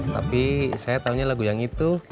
tapi saya taunya lagu yang itu